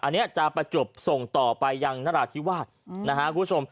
อันนี้จะประจวบส่งต่อไปยังนราธิวาสนะฮะคุณผู้ชม